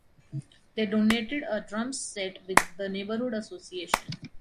They donated a drums set with the neighborhood association.